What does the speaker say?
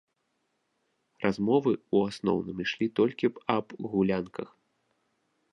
Размовы ў асноўным ішлі толькі аб гулянках.